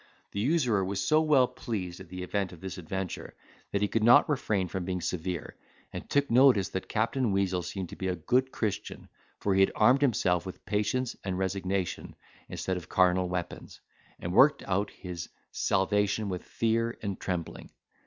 The usurer was so well pleased at the event of this adventure, that he could not refrain from being severe, and took notice that Captain Weazel seemed to be a good Christian, for he had armed himself with patience and resignation, instead of carnal weapons; and worked out his salvation with fear and trembling.